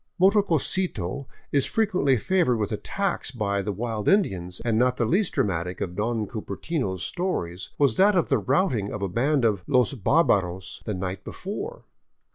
Motococito is frequently favored with attacks by the wild Indians, and not the least dramatic of " Don Cupertino's " stories was that of the routing of a band of '' los barbaros " the night before.